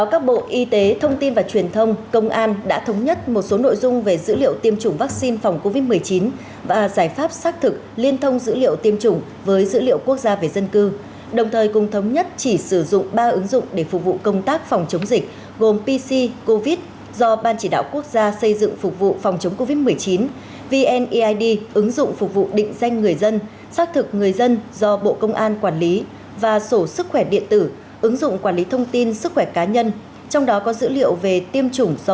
cơ quan cảnh sát điều tra công an đã thống nhất một số nội dung về dữ liệu tiêm chủng vaccine phòng covid một mươi chín và giải pháp xác thực liên thông dữ liệu tiêm chủng với dữ liệu quốc gia về dân cư đồng thời cùng thống nhất chỉ sử dụng ba ứng dụng để phục vụ công tác phòng chống dịch gồm pc covid do ban chỉ đạo quốc gia xây dựng phục vụ phòng chống covid một mươi chín vneid ứng dụng phục vụ định danh người dân xác thực người dân do bộ công an quản lý và sổ sức khỏe điện tử ứng dụng quản lý thông tin sức khỏe cá nhân trong đó có dữ liệu về tiêm chủng do